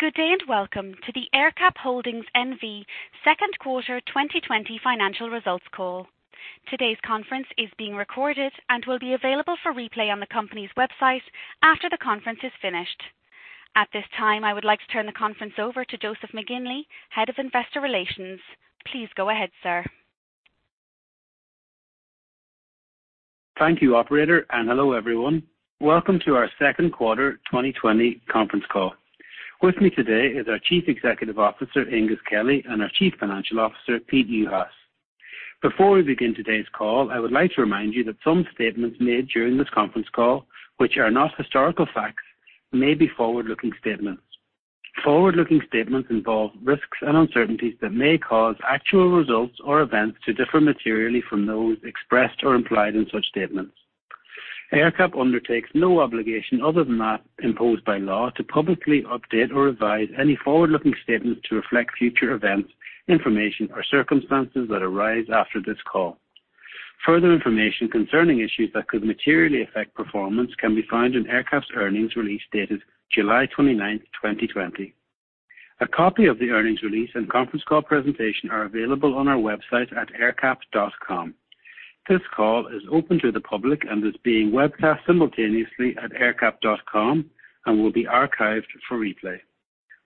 Good day and welcome to the AerCap Holdings N.V. second quarter 2020 financial results call. Today's conference is being recorded and will be available for replay on the company's website after the conference is finished. At this time, I would like to turn the conference over to Joseph McGinley, Head of Investor Relations. Please go ahead, sir. Thank you, Operator, and hello everyone. Welcome to our second quarter 2020 conference call. With me today is our Chief Executive Officer, Aengus Kelly, and our Chief Financial Officer, Pete Juhas. Before we begin today's call, I would like to remind you that some statements made during this conference call, which are not historical facts, may be forward-looking statements. Forward-looking statements involve risks and uncertainties that may cause actual results or events to differ materially from those expressed or implied in such statements. AerCap undertakes no obligation other than that imposed by law to publicly update or revise any forward-looking statements to reflect future events, information, or circumstances that arise after this call. Further information concerning issues that could materially affect performance can be found in AerCap's earnings release dated July 29, 2020. A copy of the earnings release and conference call presentation are available on our website at aercap.com. This call is open to the public and is being webcast simultaneously at aercap.com and will be archived for replay.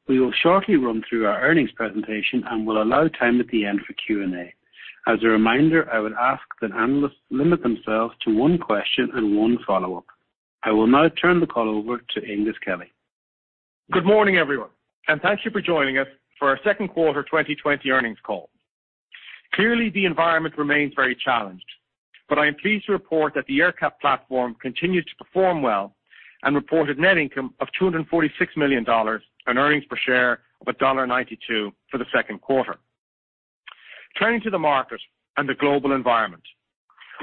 We will shortly run through our earnings presentation and will allow time at the end for Q&A. As a reminder, I would ask that analysts limit themselves to one question and one follow-up. I will now turn the call over to Aengus Kelly. Good morning, everyone, and thank you for joining us for our second quarter 2020 earnings call. Clearly, the environment remains very challenged, but I am pleased to report that the AerCap platform continues to perform well and reported net income of $246 million and earnings per share of $1.92 for the second quarter. Turning to the market and the global environment,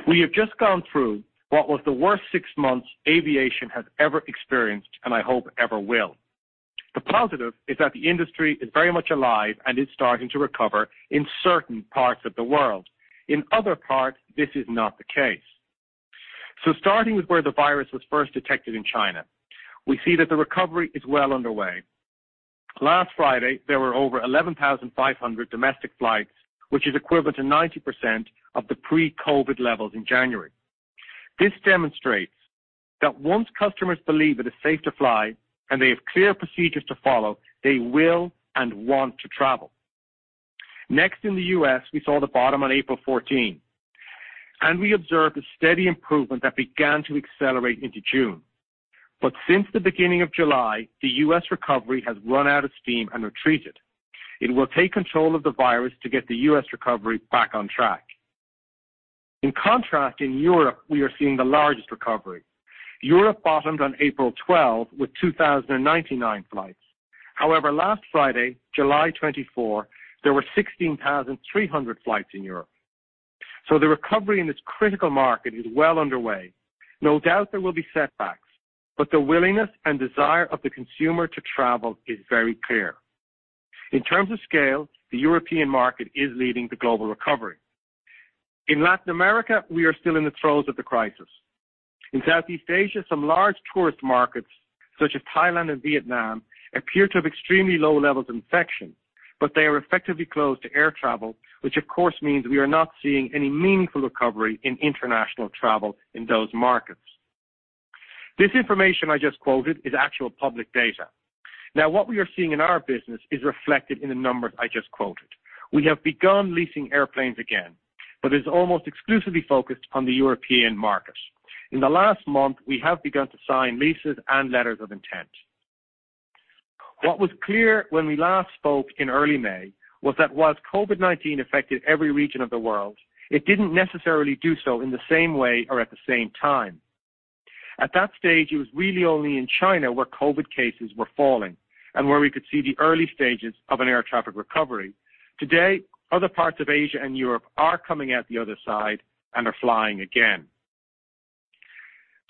we have just gone through what was the worst six months aviation has ever experienced and I hope ever will. The positive is that the industry is very much alive and is starting to recover in certain parts of the world. In other parts, this is not the case. Starting with where the virus was first detected in China, we see that the recovery is well underway. Last Friday, there were over 11,500 domestic flights, which is equivalent to 90% of the pre-COVID levels in January. This demonstrates that once customers believe it is safe to fly and they have clear procedures to follow, they will and want to travel. Next, in the U.S., we saw the bottom on April 14, and we observed a steady improvement that began to accelerate into June. Since the beginning of July, the U.S. recovery has run out of steam and retreated. It will take control of the virus to get the U.S. recovery back on track. In contrast, in Europe, we are seeing the largest recovery. Europe bottomed on April 12 with 2,099 flights. Last Friday, July 24, there were 16,300 flights in Europe. The recovery in this critical market is well underway. No doubt there will be setbacks, but the willingness and desire of the consumer to travel is very clear. In terms of scale, the European market is leading the global recovery. In Latin America, we are still in the throes of the crisis. In Southeast Asia, some large tourist markets such as Thailand and Vietnam appear to have extremely low levels of infection, but they are effectively closed to air travel, which of course means we are not seeing any meaningful recovery in international travel in those markets. This information I just quoted is actual public data. Now, what we are seeing in our business is reflected in the numbers I just quoted. We have begun leasing airplanes again, but it is almost exclusively focused on the European market. In the last month, we have begun to sign leases and letters of intent. What was clear when we last spoke in early May was that while COVID-19 affected every region of the world, it did not necessarily do so in the same way or at the same time. At that stage, it was really only in China where COVID cases were falling and where we could see the early stages of an air traffic recovery. Today, other parts of Asia and Europe are coming out the other side and are flying again.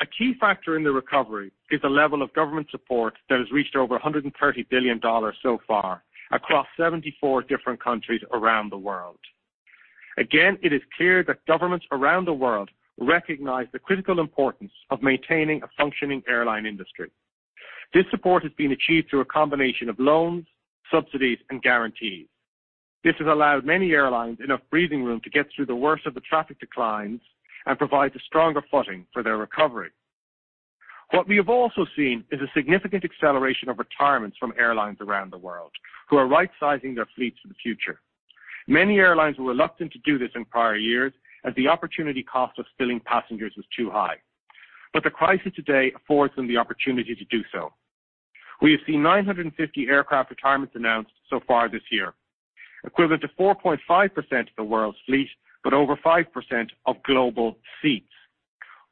A key factor in the recovery is the level of government support that has reached over $130 billion so far across 74 different countries around the world. Again, it is clear that governments around the world recognize the critical importance of maintaining a functioning airline industry. This support has been achieved through a combination of loans, subsidies, and guarantees. This has allowed many airlines enough breathing room to get through the worst of the traffic declines and provide the stronger footing for their recovery. What we have also seen is a significant acceleration of retirements from airlines around the world who are right-sizing their fleets for the future. Many airlines were reluctant to do this in prior years as the opportunity cost of filling passengers was too high. The crisis today affords them the opportunity to do so. We have seen 950 aircraft retirements announced so far this year, equivalent to 4.5% of the world's fleet but over 5% of global seats,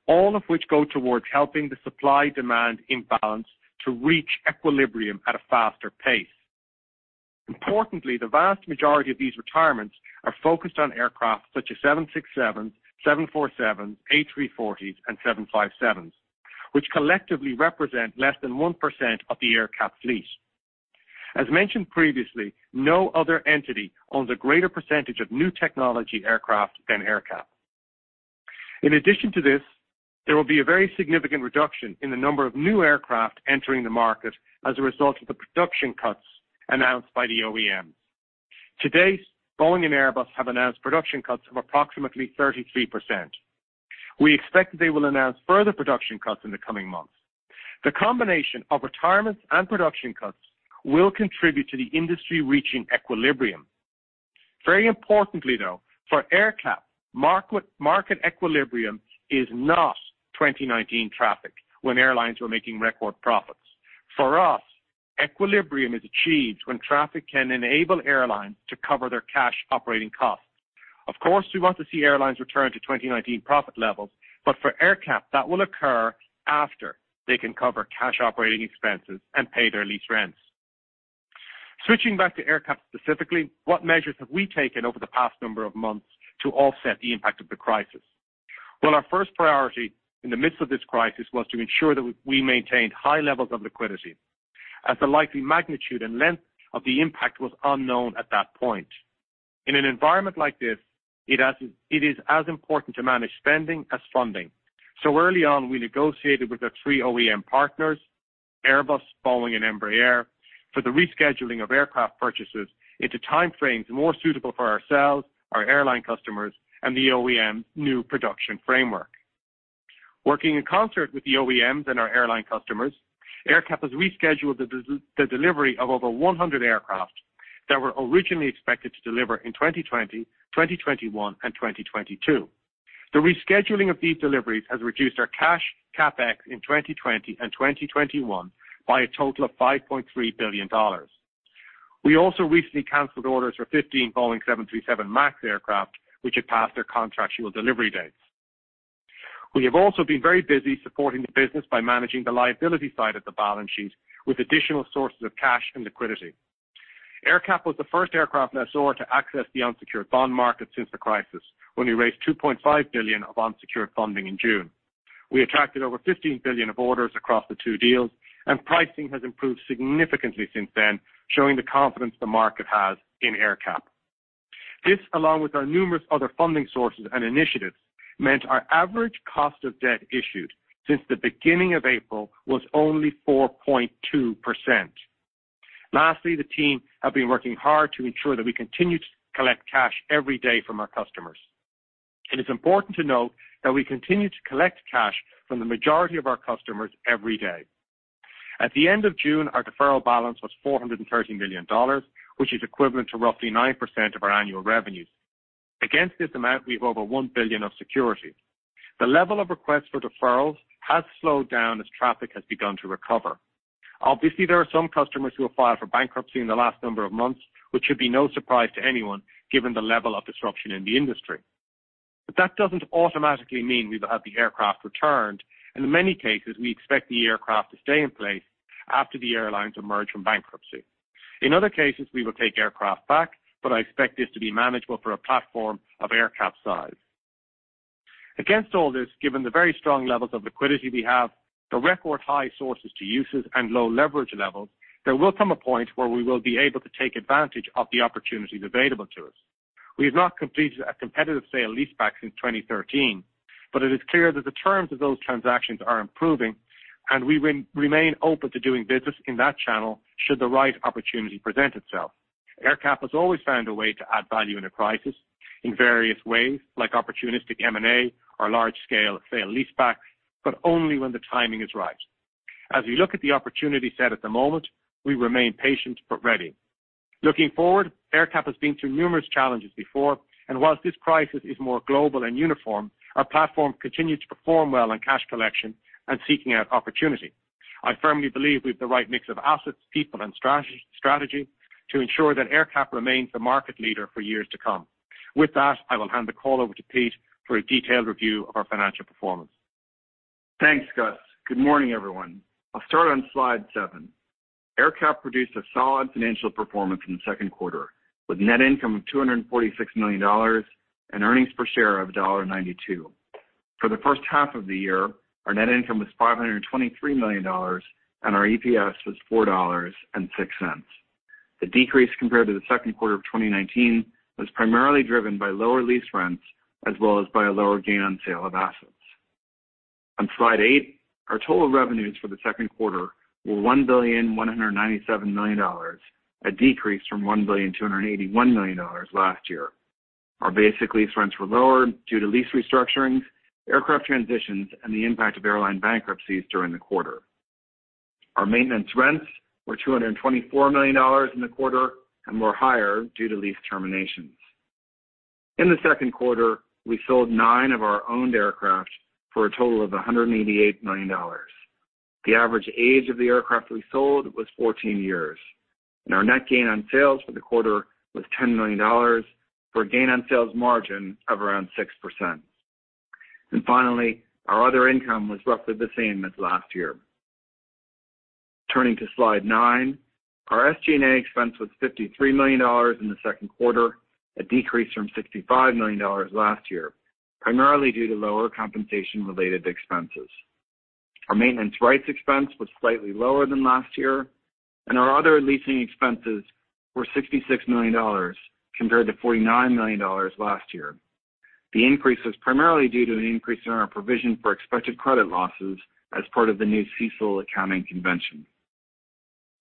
all of which go towards helping the supply-demand imbalance to reach equilibrium at a faster pace. Importantly, the vast majority of these retirements are focused on aircraft such as 767s, 747s, A340s, and 757s, which collectively represent less than 1% of the AerCap fleet. As mentioned previously, no other entity owns a greater percentage of new technology aircraft than AerCap. In addition to this, there will be a very significant reduction in the number of new aircraft entering the market as a result of the production cuts announced by the OEMs. Today, Boeing and Airbus have announced production cuts of approximately 33%. We expect that they will announce further production cuts in the coming months. The combination of retirements and production cuts will contribute to the industry reaching equilibrium. Very importantly, though, for AerCap, market equilibrium is not 2019 traffic when airlines were making record profits. For us, equilibrium is achieved when traffic can enable airlines to cover their cash operating costs. Of course, we want to see airlines return to 2019 profit levels, but for AerCap, that will occur after they can cover cash operating expenses and pay their lease rents. Switching back to AerCap specifically, what measures have we taken over the past number of months to offset the impact of the crisis? Our first priority in the midst of this crisis was to ensure that we maintained high levels of liquidity as the likely magnitude and length of the impact was unknown at that point. In an environment like this, it is as important to manage spending as funding. Early on, we negotiated with our three OEM partners, Airbus, Boeing, and Embraer, for the rescheduling of aircraft purchases into time frames more suitable for ourselves, our airline customers, and the OEMs' new production framework. Working in concert with the OEMs and our airline customers, AerCap has rescheduled the delivery of over 100 aircraft that were originally expected to deliver in 2020, 2021, and 2022. The rescheduling of these deliveries has reduced our cash CapEx in 2020 and 2021 by a total of $5.3 billion. We also recently canceled orders for 15 Boeing 737 MAX aircraft, which had passed their contractual delivery dates. We have also been very busy supporting the business by managing the liability side of the balance sheet with additional sources of cash and liquidity. AerCap was the first aircraft lessor to access the unsecured bond market since the crisis when we raised $2.5 billion of unsecured funding in June. We attracted over $15 billion of orders across the two deals, and pricing has improved significantly since then, showing the confidence the market has in AerCap. This, along with our numerous other funding sources and initiatives, meant our average cost of debt issued since the beginning of April was only 4.2%. Lastly, the team has been working hard to ensure that we continue to collect cash every day from our customers. It is important to note that we continue to collect cash from the majority of our customers every day. At the end of June, our deferral balance was $430 million, which is equivalent to roughly 9% of our annual revenues. Against this amount, we have over $1 billion of security. The level of requests for deferrals has slowed down as traffic has begun to recover. Obviously, there are some customers who have filed for bankruptcy in the last number of months, which should be no surprise to anyone given the level of disruption in the industry. That does not automatically mean we will have the aircraft returned, and in many cases, we expect the aircraft to stay in place after the airlines emerge from bankruptcy. In other cases, we will take aircraft back, but I expect this to be manageable for a platform of AerCap size. Against all this, given the very strong levels of liquidity we have, the record high sources to uses, and low leverage levels, there will come a point where we will be able to take advantage of the opportunities available to us. We have not completed a competitive sale lease back since 2013, but it is clear that the terms of those transactions are improving, and we remain open to doing business in that channel should the right opportunity present itself. AerCap has always found a way to add value in a crisis in various ways, like opportunistic M&A or large-scale sale lease back, but only when the timing is right. As we look at the opportunity set at the moment, we remain patient but ready. Looking forward, AerCap has been through numerous challenges before, and whilst this crisis is more global and uniform, our platform continues to perform well on cash collection and seeking out opportunity. I firmly believe we have the right mix of assets, people, and strategy to ensure that AerCap remains the market leader for years to come. With that, I will hand the call over to Pete for a detailed review of our financial performance. Thanks, Gus. Good morning, everyone. I'll start on slide seven. AerCap produced a solid financial performance in the second quarter with net income of $246 million and earnings per share of $1.92. For the first half of the year, our net income was $523 million, and our EPS was $4.06. The decrease compared to the second quarter of 2019 was primarily driven by lower lease rents as well as by a lower gain on sale of assets. On slide eight, our total revenues for the second quarter were $1,197 million, a decrease from $1,281 million last year. Our basic lease rents were lower due to lease restructurings, aircraft transitions, and the impact of airline bankruptcies during the quarter. Our maintenance rents were $224 million in the quarter and were higher due to lease terminations. In the second quarter, we sold nine of our owned aircraft for a total of $188 million. The average age of the aircraft we sold was 14 years, and our net gain on sales for the quarter was $10 million for a gain on sales margin of around 6%. Finally, our other income was roughly the same as last year. Turning to slide nine, our SG&A expense was $53 million in the second quarter, a decrease from $65 million last year, primarily due to lower compensation-related expenses. Our maintenance rights expense was slightly lower than last year, and our other leasing expenses were $66 million compared to $49 million last year. The increase was primarily due to an increase in our provision for expected credit losses as part of the new CECL accounting convention.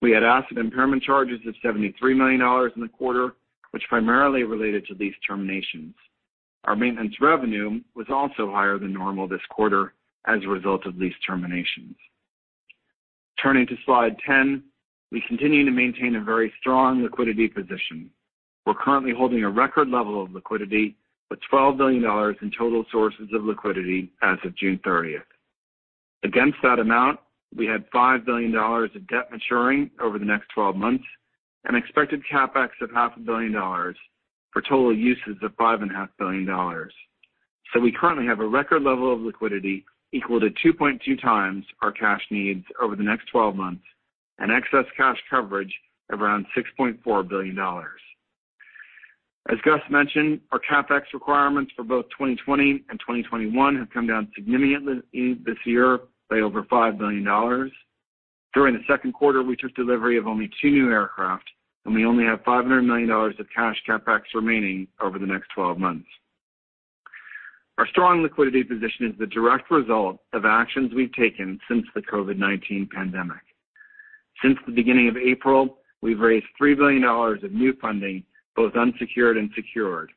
We had asset impairment charges of $73 million in the quarter, which primarily related to lease terminations. Our maintenance revenue was also higher than normal this quarter as a result of lease terminations. Turning to slide 10, we continue to maintain a very strong liquidity position. We're currently holding a record level of liquidity with $12 billion in total sources of liquidity as of June 30. Against that amount, we had $5 billion of debt maturing over the next 12 months and expected CapEx of $500,000,000 for total uses of $5.5 billion. We currently have a record level of liquidity equal to 2.2 times our cash needs over the next 12 months and excess cash coverage of around $6.4 billion. As Gus mentioned, our CapEx requirements for both 2020 and 2021 have come down significantly this year by over $5 billion. During the second quarter, we took delivery of only two new aircraft, and we only have $500 million of cash CapEx remaining over the next 12 months. Our strong liquidity position is the direct result of actions we've taken since the COVID-19 pandemic. Since the beginning of April, we've raised $3 billion of new funding, both unsecured and secured.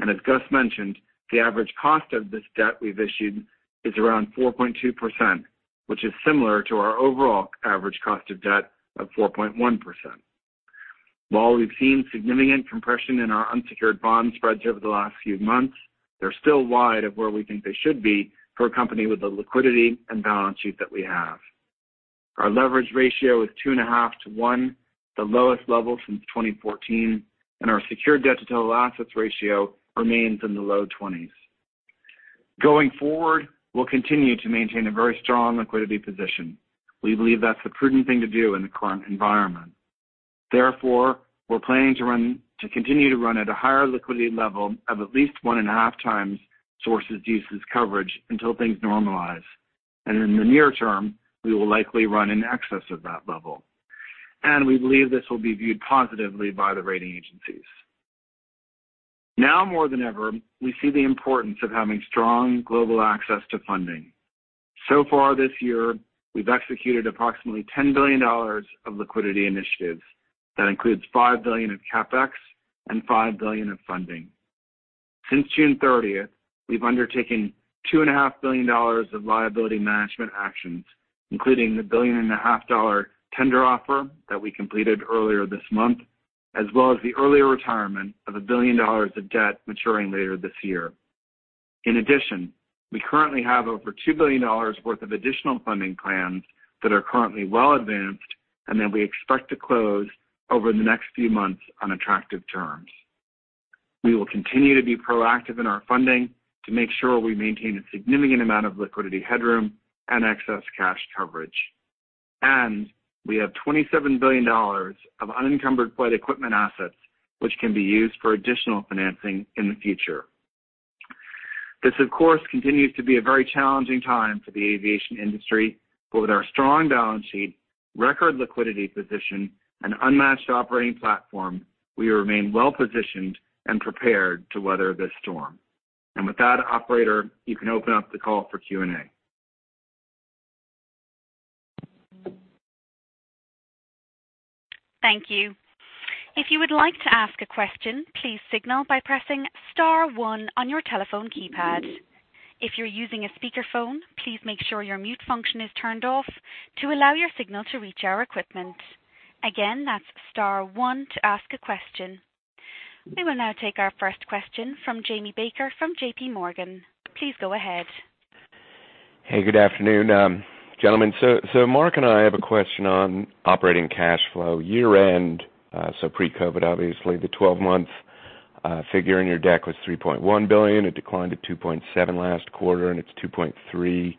As Gus mentioned, the average cost of this debt we've issued is around 4.2%, which is similar to our overall average cost of debt of 4.1%. While we've seen significant compression in our unsecured bond spreads over the last few months, they're still wide of where we think they should be for a company with the liquidity and balance sheet that we have. Our leverage ratio is 2.5 to 1, the lowest level since 2014, and our secured debt to total assets ratio remains in the low 20s. Going forward, we'll continue to maintain a very strong liquidity position. We believe that's the prudent thing to do in the current environment. Therefore, we're planning to continue to run at a higher liquidity level of at least 1.5 times sources to uses coverage until things normalize. In the near term, we will likely run in excess of that level. We believe this will be viewed positively by the rating agencies. Now more than ever, we see the importance of having strong global access to funding. So far this year, we've executed approximately $10 billion of liquidity initiatives that includes $5 billion of CapEx and $5 billion of funding. Since June 30, we've undertaken $2.5 billion of liability management actions, including the $1.5 billion tender offer that we completed earlier this month, as well as the earlier retirement of $1 billion of debt maturing later this year. In addition, we currently have over $2 billion worth of additional funding plans that are currently well advanced, and that we expect to close over the next few months on attractive terms. We will continue to be proactive in our funding to make sure we maintain a significant amount of liquidity headroom and excess cash coverage. We have $27 billion of unencumbered flight equipment assets, which can be used for additional financing in the future. This, of course, continues to be a very challenging time for the aviation industry, but with our strong balance sheet, record liquidity position, and unmatched operating platform, we remain well positioned and prepared to weather this storm. With that, operator, you can open up the call for Q&A. Thank you. If you would like to ask a question, please signal by pressing Star one on your telephone keypad. If you're using a speakerphone, please make sure your mute function is turned off to allow your signal to reach our equipment. Again, that's Star one to ask a question. We will now take our first question from Jamie Baker from JPMorgan. Please go ahead. Hey, good afternoon, gentlemen. Mark and I have a question on operating cash flow year-end, pre-COVID, obviously. The 12-month figure in your deck was $3.1 billion. It declined to $2.7 billion last quarter, and it's $2.3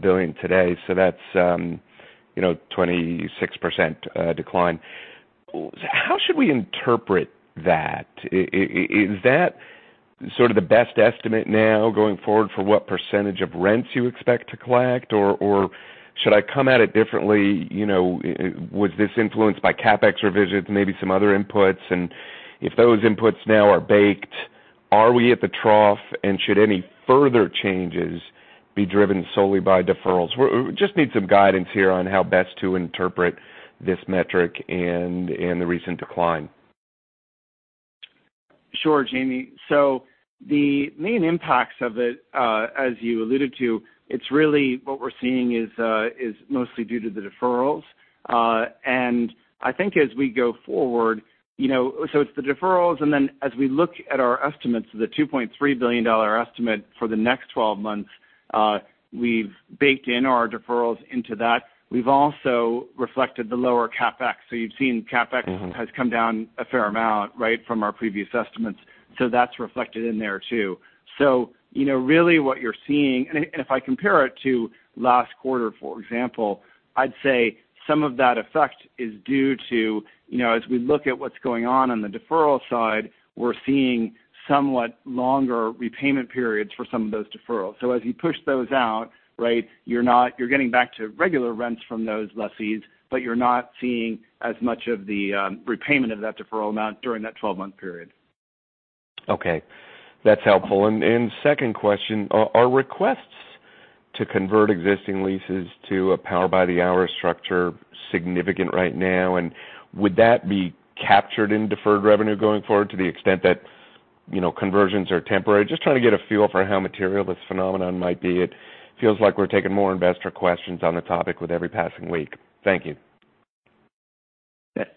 billion today. That's a 26% decline. How should we interpret that? Is that sort of the best estimate now going forward for what percentage of rents you expect to collect? Should I come at it differently? Was this influenced by CapEx revisions, maybe some other inputs? If those inputs now are baked, are we at the trough, and should any further changes be driven solely by deferrals? We just need some guidance here on how best to interpret this metric and the recent decline. Sure, Jamie. The main impacts of it, as you alluded to, it's really what we're seeing is mostly due to the deferrals. I think as we go forward, it's the deferrals, and then as we look at our estimates, the $2.3 billion estimate for the next 12 months, we've baked in our deferrals into that. We've also reflected the lower CapEx. You've seen CapEx has come down a fair amount, right, from our previous estimates. That's reflected in there too. What you're seeing, and if I compare it to last quarter, for example, I'd say some of that effect is due to, as we look at what's going on on the deferral side, we're seeing somewhat longer repayment periods for some of those deferrals. As you push those out, right, you're getting back to regular rents from those lessees, but you're not seeing as much of the repayment of that deferral amount during that 12-month period. Okay. That's helpful. Second question, are requests to convert existing leases to a power-by-the-hour structure significant right now? Would that be captured in deferred revenue going forward to the extent that conversions are temporary? Just trying to get a feel for how material this phenomenon might be. It feels like we're taking more investor questions on the topic with every passing week. Thank you.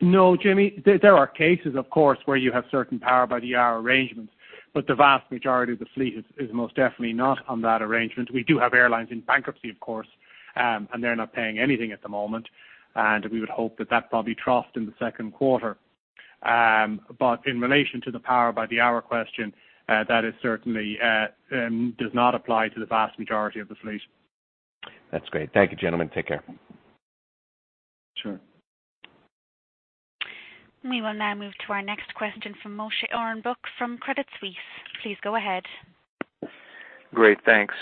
No, Jamie. There are cases, of course, where you have certain power-by-the-hour arrangements, but the vast majority of the fleet is most definitely not on that arrangement. We do have airlines in bankruptcy, of course, and they're not paying anything at the moment. We would hope that that probably troughed in the second quarter. In relation to the power-by-the-hour question, that certainly does not apply to the vast majority of the fleet. That's great. Thank you, gentlemen. Take care. Sure. We will now move to our next question from Moshe Orenbuch from Credit Suisse. Please go ahead. Great. Thanks.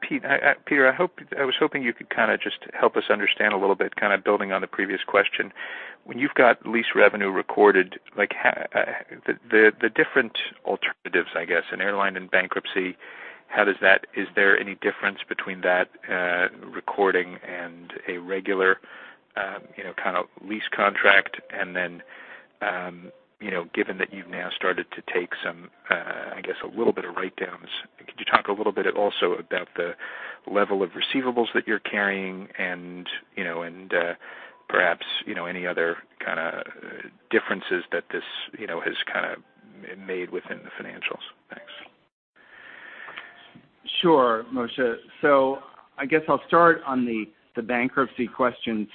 Peter, I was hoping you could kind of just help us understand a little bit, kind of building on the previous question. When you've got lease revenue recorded, the different alternatives, I guess, an airline in bankruptcy, how does that—is there any difference between that recording and a regular kind of lease contract? Then given that you've now started to take some, I guess, a little bit of write-downs, could you talk a little bit also about the level of receivables that you're carrying and perhaps any other kind of differences that this has kind of made within the financials? Thanks. Sure, Moshe. I guess I'll start on the bankruptcy question.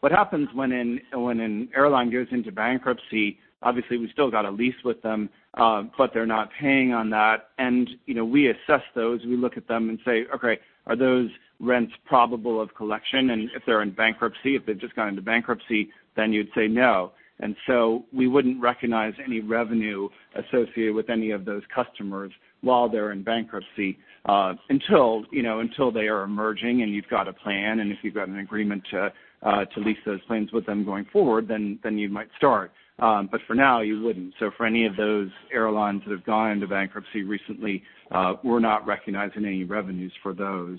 What happens when an airline goes into bankruptcy? Obviously, we've still got a lease with them, but they're not paying on that. We assess those. We look at them and say, "Okay, are those rents probable of collection?" If they're in bankruptcy, if they've just gone into bankruptcy, then you'd say no. We wouldn't recognize any revenue associated with any of those customers while they're in bankruptcy until they are emerging and you've got a plan. If you've got an agreement to lease those plans with them going forward, you might start. For now, you wouldn't. For any of those airlines that have gone into bankruptcy recently, we're not recognizing any revenues for those.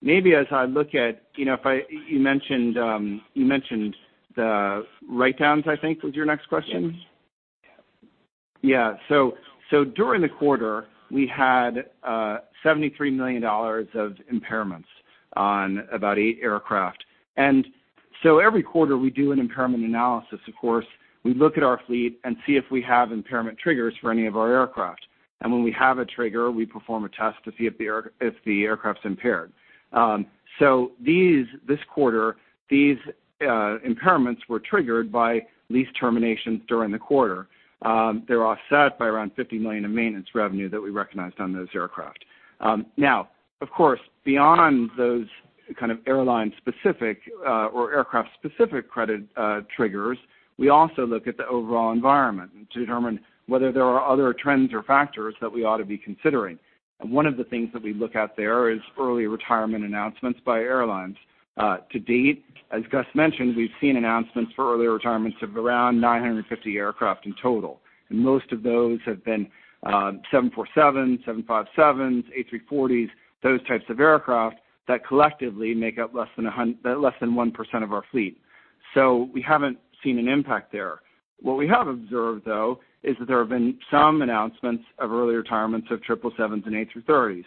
Maybe as I look at—you mentioned the write-downs, I think, was your next question? Yes. Yeah. During the quarter, we had $73 million of impairments on about eight aircraft. Every quarter, we do an impairment analysis, of course. We look at our fleet and see if we have impairment triggers for any of our aircraft. When we have a trigger, we perform a test to see if the aircraft's impaired. This quarter, these impairments were triggered by lease terminations during the quarter. They're offset by around $50 million of maintenance revenue that we recognized on those aircraft. Of course, beyond those kind of airline-specific or aircraft-specific credit triggers, we also look at the overall environment to determine whether there are other trends or factors that we ought to be considering. One of the things that we look at there is early retirement announcements by airlines. To date, as Gus mentioned, we've seen announcements for early retirements of around 950 aircraft in total. Most of those have been 747s, 757s, A340s, those types of aircraft that collectively make up less than 1% of our fleet. We haven't seen an impact there. What we have observed, though, is that there have been some announcements of early retirements of 777s and A330s.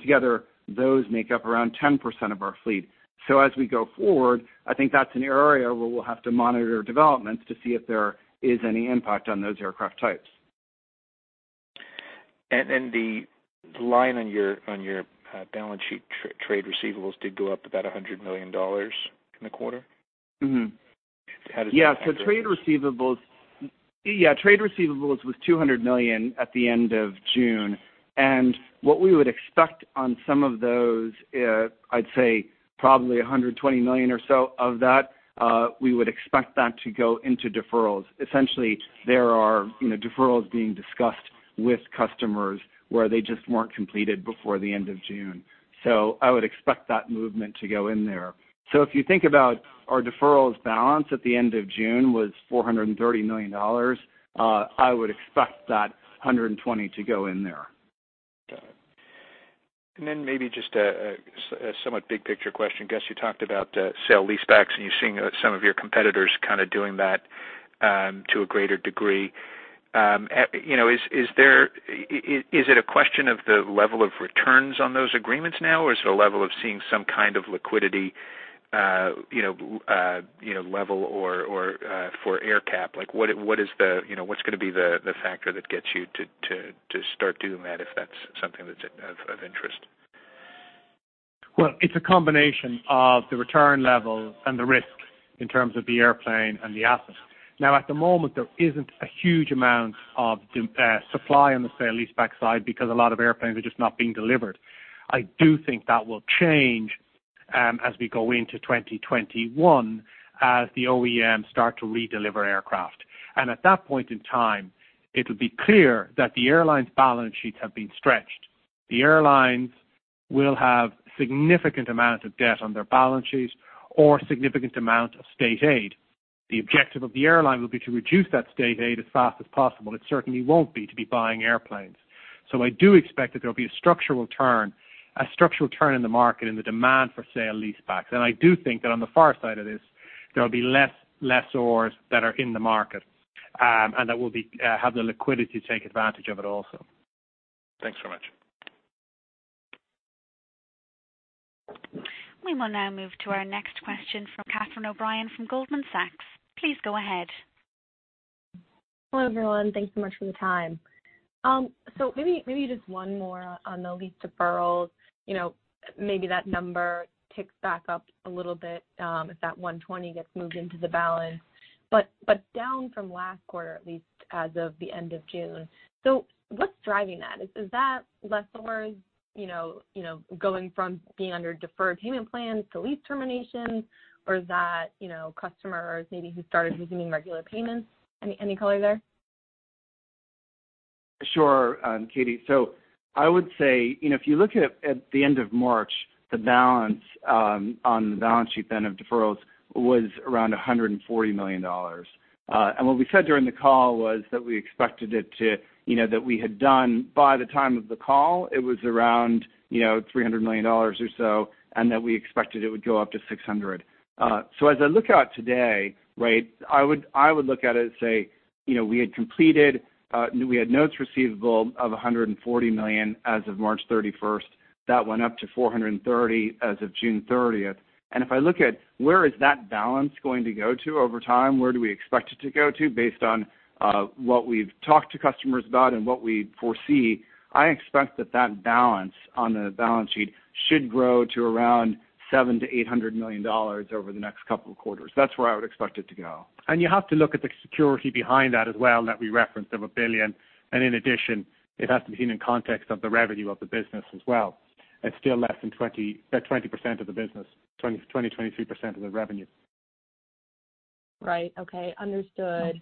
Together, those make up around 10% of our fleet. As we go forward, I think that's an area where we'll have to monitor developments to see if there is any impact on those aircraft types. The line on your balance sheet trade receivables did go up about $100 million in the quarter? Mm-hmm. How does that look? Yeah. Trade receivables was $200 million at the end of June. What we would expect on some of those, I'd say probably $120 million or so of that, we would expect that to go into deferrals. Essentially, there are deferrals being discussed with customers where they just were not completed before the end of June. I would expect that movement to go in there. If you think about our deferrals balance at the end of June, it was $430 million. I would expect that $120 million to go in there. Got it. Maybe just a somewhat big-picture question. Gus, you talked about sale lease-backs, and you're seeing some of your competitors kind of doing that to a greater degree. Is it a question of the level of returns on those agreements now, or is it a level of seeing some kind of liquidity level for AerCap? What is the—what's going to be the factor that gets you to start doing that if that's something that's of interest? It's a combination of the return level and the risk in terms of the airplane and the assets. Now, at the moment, there isn't a huge amount of supply on the sale lease-back side because a lot of airplanes are just not being delivered. I do think that will change as we go into 2021, as the OEMs start to redeliver aircraft. At that point in time, it'll be clear that the airline's balance sheets have been stretched. The airlines will have a significant amount of debt on their balance sheets or a significant amount of state aid. The objective of the airline will be to reduce that state aid as fast as possible. It certainly won't be to be buying airplanes. I do expect that there'll be a structural turn in the market in the demand for sale lease-backs. I do think that on the far side of this, there will be less lessors that are in the market, and that will have the liquidity to take advantage of it also. Thanks very much. We will now move to our next question from Catherine O'Brien from Goldman Sachs. Please go ahead. Hello, everyone. Thanks so much for the time. Maybe just one more on the lease deferrals. Maybe that number ticks back up a little bit if that $120 million gets moved into the balance, but down from last quarter, at least as of the end of June. What's driving that? Is that lessors going from being under deferred payment plans to lease terminations, or is that customers maybe who started resuming regular payments? Any color there? Sure, Katie. I would say if you look at the end of March, the balance on the balance sheet then of deferrals was around $140 million. What we said during the call was that we expected it to—that we had done by the time of the call, it was around $300 million or so, and that we expected it would go up to $600 million. As I look at it today, right, I would look at it and say we had completed—we had notes receivable of $140 million as of March 31. That went up to $430 million as of June 30. If I look at where is that balance going to go to over time, where do we expect it to go to based on what we've talked to customers about and what we foresee, I expect that that balance on the balance sheet should grow to around $700 million-$800 million over the next couple of quarters. That is where I would expect it to go. You have to look at the security behind that as well that we referenced of $1 billion. In addition, it has to be seen in context of the revenue of the business as well. It is still less than 20% of the business, 20-23% of the revenue. Right. Okay. Understood.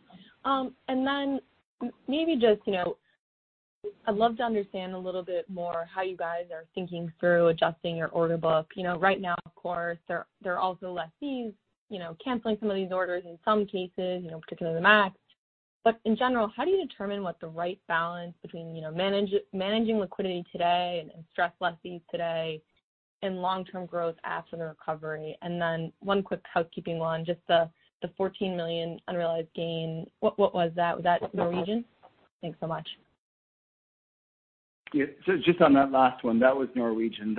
I'd love to understand a little bit more how you guys are thinking through adjusting your order book. Right now, of course, there are also lessees canceling some of these orders in some cases, particularly the MAX. In general, how do you determine what the right balance is between managing liquidity today and stress lessees today and long-term growth after the recovery? One quick housekeeping one, just the $14 million unrealized gain, what was that? Was that Norwegian? Thanks so much. Yeah. Just on that last one, that was Norwegian.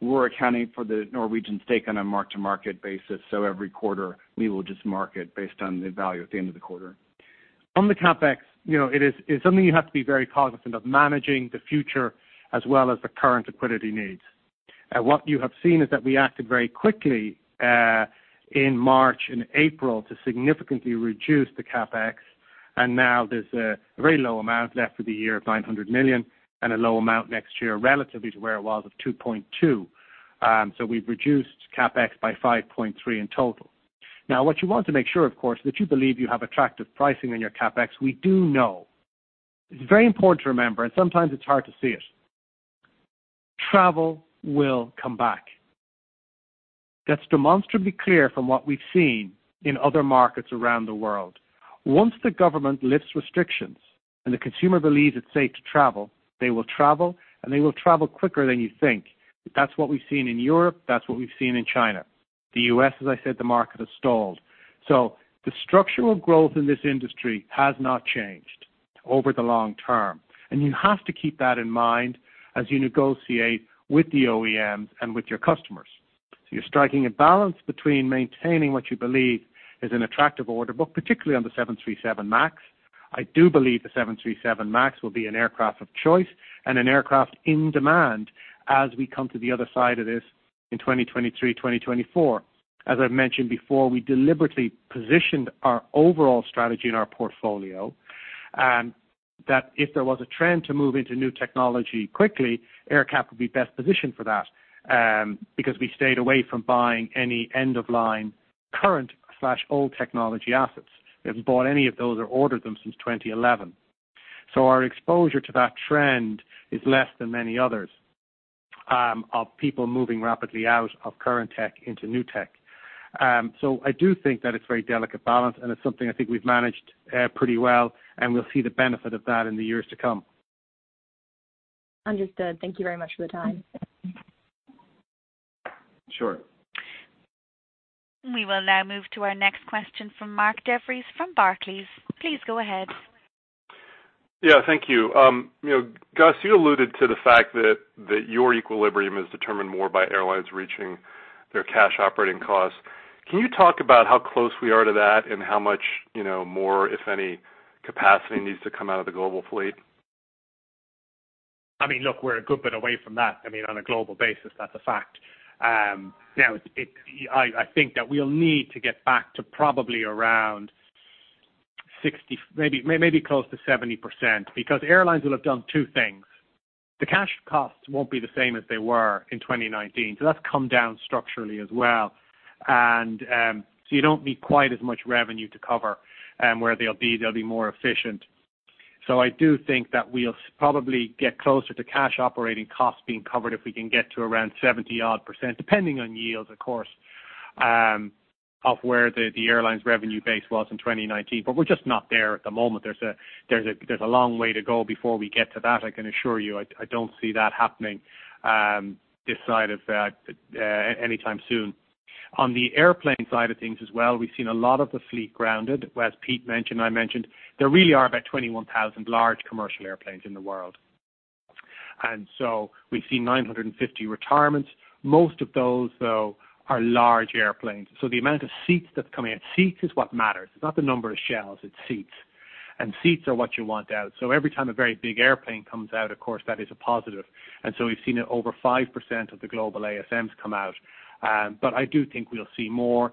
We're accounting for the Norwegian stake on a mark-to-market basis. Every quarter, we will just mark it based on the value at the end of the quarter. On the CapEx, it is something you have to be very cognizant of managing the future as well as the current liquidity needs. What you have seen is that we acted very quickly in March and April to significantly reduce the CapEx. Now there is a very low amount left for the year of $900 million and a low amount next year relative to where it was of $2.2 billion. We have reduced CapEx by $5.3 billion in total. What you want to make sure, of course, is that you believe you have attractive pricing on your CapEx. We do know. It's very important to remember, and sometimes it's hard to see it. Travel will come back. That's demonstrably clear from what we've seen in other markets around the world. Once the government lifts restrictions and the consumer believes it's safe to travel, they will travel, and they will travel quicker than you think. That's what we've seen in Europe. That's what we've seen in China. The U.S., as I said, the market has stalled. The structural growth in this industry has not changed over the long term. You have to keep that in mind as you negotiate with the OEMs and with your customers. You're striking a balance between maintaining what you believe is an attractive order book, particularly on the 737 MAX. I do believe the 737 MAX will be an aircraft of choice and an aircraft in demand as we come to the other side of this in 2023, 2024. As I've mentioned before, we deliberately positioned our overall strategy in our portfolio that if there was a trend to move into new technology quickly, AerCap would be best positioned for that because we stayed away from buying any end-of-line current/old technology assets. We haven't bought any of those or ordered them since 2011. Our exposure to that trend is less than many others of people moving rapidly out of current tech into new tech. I do think that it's a very delicate balance, and it's something I think we've managed pretty well, and we'll see the benefit of that in the years to come. Understood. Thank you very much for the time. Sure. We will now move to our next question from Mark Jeffries from Barclays. Please go ahead. Yeah. Thank you. Gus, you alluded to the fact that your equilibrium is determined more by airlines reaching their cash operating costs. Can you talk about how close we are to that and how much more, if any, capacity needs to come out of the global fleet? I mean, look, we're a good bit away from that. I mean, on a global basis, that's a fact. Now, I think that we'll need to get back to probably around 60%, maybe close to 70% because airlines will have done two things. The cash costs won't be the same as they were in 2019. That's come down structurally as well. You don't need quite as much revenue to cover where they'll be; they'll be more efficient. I do think that we'll probably get closer to cash operating costs being covered if we can get to around 70-odd percent, depending on yields, of course, of where the airline's revenue base was in 2019. We're just not there at the moment. There's a long way to go before we get to that. I can assure you I don't see that happening this side of anytime soon. On the airplane side of things as well, we've seen a lot of the fleet grounded. As Pete mentioned, I mentioned there really are about 21,000 large commercial airplanes in the world. We've seen 950 retirements. Most of those, though, are large airplanes. The amount of seats that come in, seats is what matters. It's not the number of shells; it's seats. Seats are what you want out. Every time a very big airplane comes out, of course, that is a positive. We've seen over 5% of the global ASMs come out. I do think we'll see more.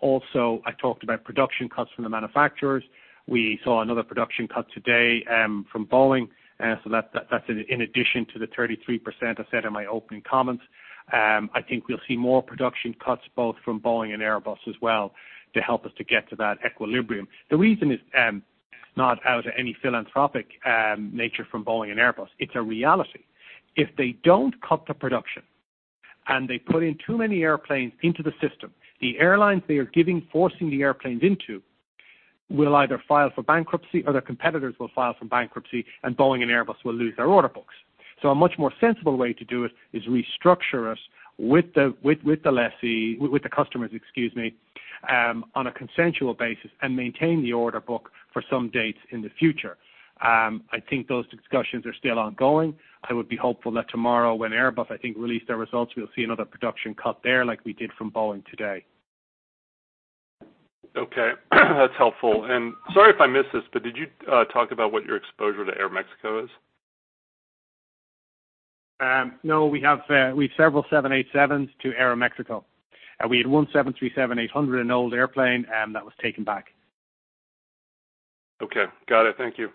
Also, I talked about production cuts from the manufacturers. We saw another production cut today from Boeing. That's in addition to the 33% I said in my opening comments. I think we'll see more production cuts both from Boeing and Airbus as well to help us to get to that equilibrium. The reason is not out of any philanthropic nature from Boeing and Airbus. It's a reality. If they don't cut the production and they put in too many airplanes into the system, the airlines they are forcing the airplanes into will either file for bankruptcy or their competitors will file for bankruptcy, and Boeing and Airbus will lose their order books. A much more sensible way to do it is restructure us with the customers, excuse me, on a consensual basis and maintain the order book for some dates in the future. I think those discussions are still ongoing. I would be hopeful that tomorrow, when Airbus, I think, release their results, we'll see another production cut there like we did from Boeing today. Okay. That's helpful. Sorry if I missed this, but did you talk about what your exposure to AerMexico is? No. We have several 787s to AerMexico. We had one 737-800, an old airplane, that was taken back. Okay. Got it. Thank you.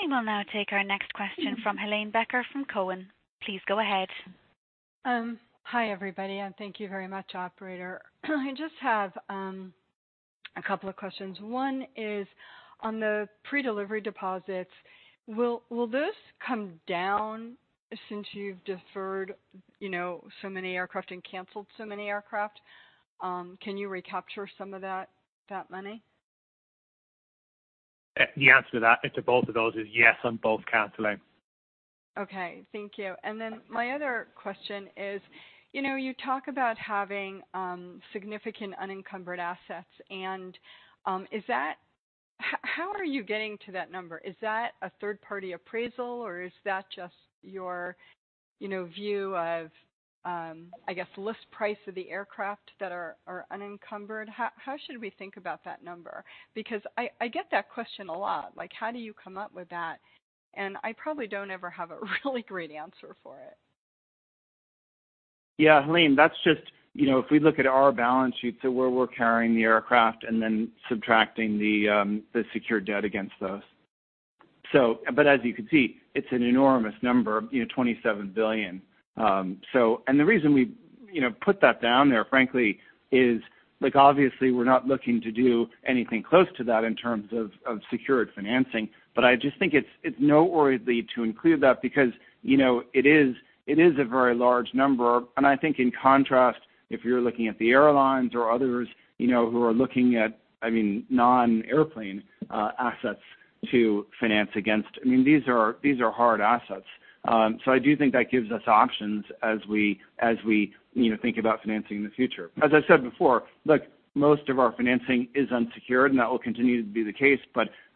We will now take our next question from Helene Becker from Cowen. Please go ahead. Hi, everybody. Thank you very much, Operator. I just have a couple of questions. One is on the pre-delivery deposits. Will those come down since you've deferred so many aircraft and canceled so many aircraft? Can you recapture some of that money? The answer to that, to both of those, is yes on both canceling. Okay. Thank you. My other question is you talk about having significant unencumbered assets. How are you getting to that number? Is that a third-party appraisal, or is that just your view of, I guess, list price of the aircraft that are unencumbered? How should we think about that number? I get that question a lot. How do you come up with that? I probably do not ever have a really great answer for it. Yeah. Helene, that's just if we look at our balance sheets, where we're carrying the aircraft and then subtracting the secured debt against those. As you can see, it's an enormous number, $27 billion. The reason we put that down there, frankly, is obviously we're not looking to do anything close to that in terms of secured financing. I just think it's noteworthy to include that because it is a very large number. I think in contrast, if you're looking at the airlines or others who are looking at, I mean, non-airplane assets to finance against, these are hard assets. I do think that gives us options as we think about financing in the future. As I said before, look, most of our financing is unsecured, and that will continue to be the case.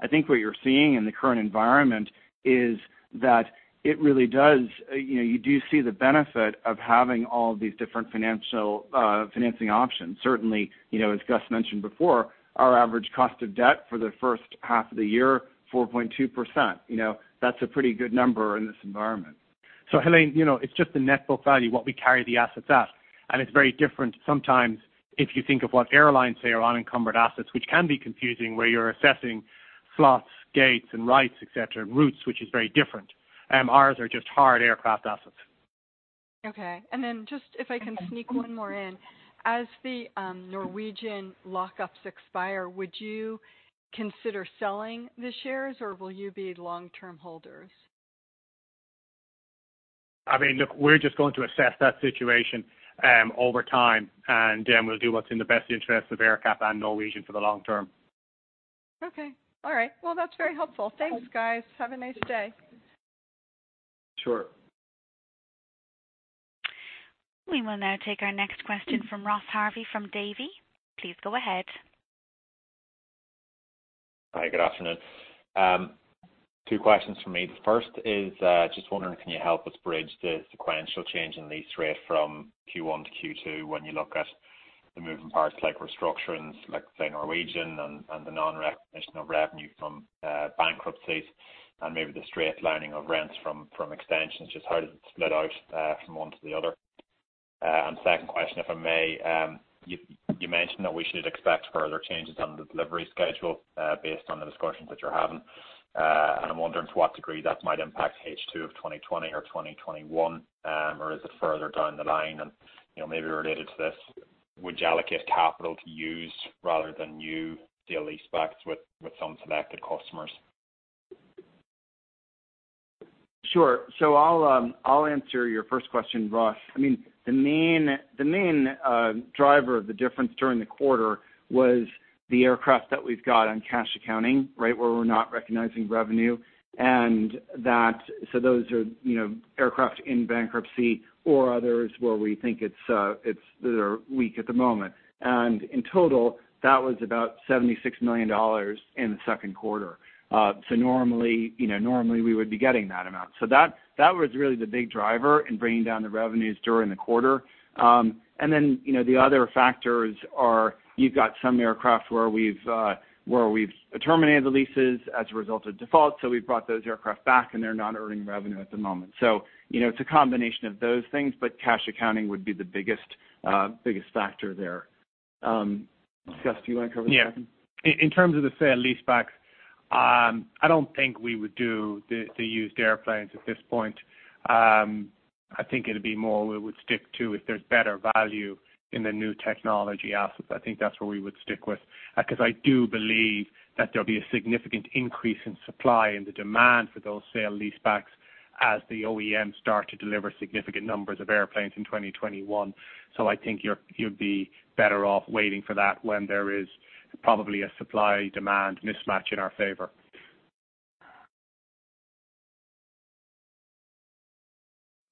I think what you're seeing in the current environment is that it really does, you do see the benefit of having all of these different financing options. Certainly, as Gus mentioned before, our average cost of debt for the first half of the year, 4.2%. That's a pretty good number in this environment. Helene, it's just the net book value, what we carry the assets at. It's very different sometimes if you think of what airlines say are unencumbered assets, which can be confusing where you're assessing slots, gates, and rights, etc., and routes, which is very different. Ours are just hard aircraft assets. Okay. If I can sneak one more in, as the Norwegian lockups expire, would you consider selling the shares, or will you be long-term holders? I mean, look, we're just going to assess that situation over time, and we'll do what's in the best interest of AerCap and Norwegian for the long term. Okay. All right. That's very helpful. Thanks, guys. Have a nice day. Sure. We will now take our next question from Ross Harvey from Davy. Please go ahead. Hi. Good afternoon. Two questions for me. The first is just wondering if you can help us bridge the sequential change in lease rate from Q1Q2 when you look at the moving parts like restructurings, like say, Norwegian and the non-recognition of revenue from bankruptcies and maybe the straight lining of rents from extensions. Just how does it split out from one to the other? The second question, if I may, you mentioned that we should expect further changes on the delivery schedule based on the discussions that you're having. I'm wondering to what degree that might impact H2 of 2020 or 2021, or is it further down the line? Maybe related to this, would you allocate capital to used rather than new deal lease backs with some selected customers? Sure. I'll answer your first question, Ross. I mean, the main driver of the difference during the quarter was the aircraft that we've got on cash accounting, right, where we're not recognizing revenue. Those are aircraft in bankruptcy or others where we think they're weak at the moment. In total, that was about $76 million in the second quarter. Normally, we would be getting that amount. That was really the big driver in bringing down the revenues during the quarter. The other factors are you've got some aircraft where we've terminated the leases as a result of default. We've brought those aircraft back, and they're not earning revenue at the moment. It's a combination of those things, but cash accounting would be the biggest factor there. Gus, do you want to cover this question? Yeah. In terms of the fair lease backs, I do not think we would do the used airplanes at this point. I think it would be more we would stick to if there is better value in the new technology assets. I think that is what we would stick with because I do believe that there will be a significant increase in supply and the demand for those fair lease backs as the OEMs start to deliver significant numbers of airplanes in 2021. I think you would be better off waiting for that when there is probably a supply-demand mismatch in our favor.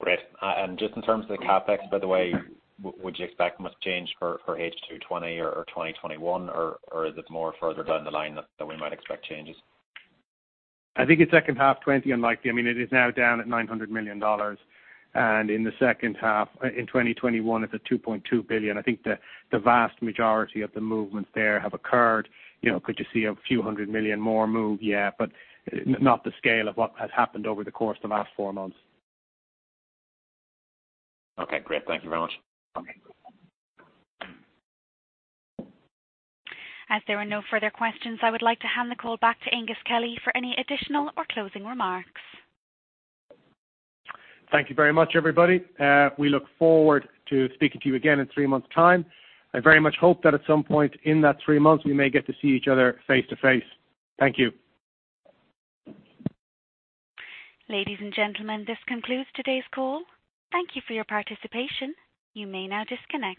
Great. Just in terms of the CapEx, by the way, would you expect much change for H2 2020 or 2021, or is it more further down the line that we might expect changes? I think in second half, 2020, unlikely. I mean, it is now down at $900 million. And in the second half, in 2021, it's at $2.2 billion. I think the vast majority of the movements there have occurred. Could you see a few hundred million more move? Yeah, but not the scale of what has happened over the course of the last four months. Okay. Great. Thank you very much. As there are no further questions, I would like to hand the call back to Aengus Kelly for any additional or closing remarks. Thank you very much, everybody. We look forward to speaking to you again in three months' time. I very much hope that at some point in that three months, we may get to see each other face to face. Thank you. Ladies and gentlemen, this concludes today's call. Thank you for your participation. You may now disconnect.